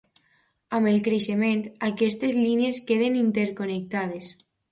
Amb el creixement, aquestes línies queden interconnectades.